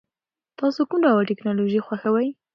تاسو کوم ډول ټیکنالوژي خوښوئ؟